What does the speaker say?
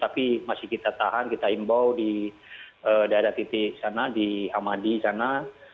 tapi masih kita tahan kita imbau di daerah titik sana di hamadi sana